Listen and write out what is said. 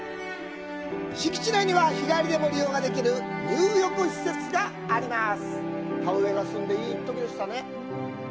敷地内には、日帰りでも利用ができる入浴施設があります。